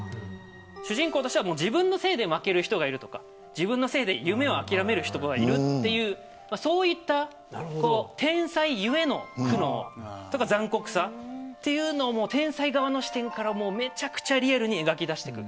主人公としては自分のせいで負ける人がいるとか自分のせいで夢を諦める人がいるというそういった天才ゆえの苦労とか残酷さというのを天才側の視点からめちゃくちゃリアルに描き出していく。